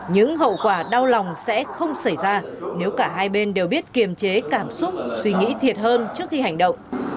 những hậu quả đau lòng sẽ không xảy ra nếu cả hai bên đều biết kiềm chế cảm xúc suy nghĩ thiệt hơn trước khi hành động